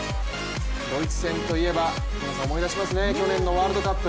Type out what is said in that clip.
ドイツ戦といえば、皆さん思い出しますね去年のワールドカップ。